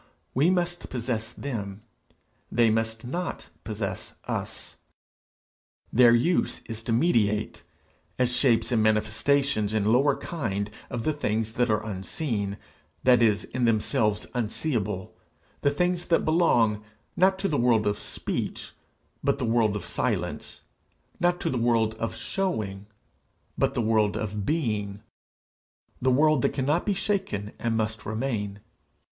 We must possess them; they must not possess us. Their use is to mediate as shapes and manifestations in lower kind of the things that are unseen, that is, in themselves unseeable, the things that belong, not to the world of speech, but the world of silence, not to the world of showing, but the world of being, the world that cannot be shaken, and must remain.